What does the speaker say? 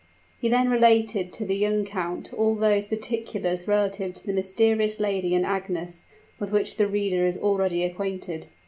He then related to the young count all those particulars relative to the mysterious lady and Agnes, with which the reader is already acquainted.